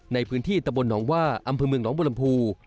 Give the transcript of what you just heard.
ในพื้นที่ตะบนหนองว่าอำพื้นเมืองน้องบลำพู